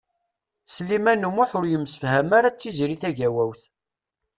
Sliman U Muḥ ur yemsefham ara d Tiziri Tagawawt.